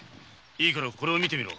いいからこれを見てみろ。